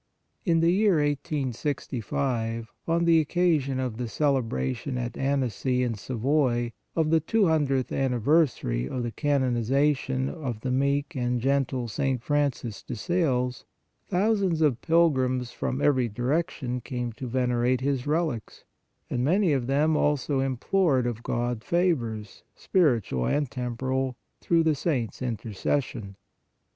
In the year 1865, on the occasion of the celebration at Annecy in Sa voy of the two hundredth anniversary of the canoni zation of the meek and gentle St. Francis de Sales, thousands of pilgrims from every direction came to venerate his relics, and many of them also implored of God favors, spiritual and temporal, through the saint s intercession.